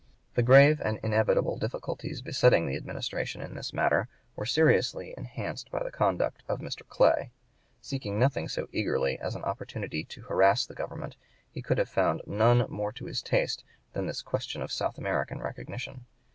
The grave and inevitable difficulties besetting the administration in this matter were seriously enhanced by the conduct of Mr. Clay. Seeking nothing so eagerly as an opportunity to harass the government, he could have found none more to his taste than this question of South American recognition.